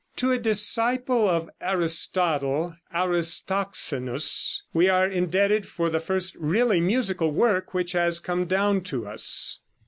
To a disciple of Aristotle, Aristoxenus, we are indebted for the first really musical work which has come down to us.